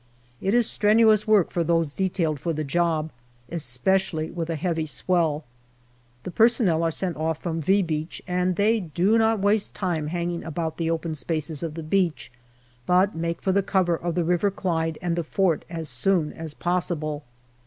It is strenuous work for those detailed for the job, especially with a heavy swell. The personnel are sent off from " V ' Beach, and they do not waste time hanging about the open spaces of the beach, but make for the cover of the River Clyde and the fort as soon as possible.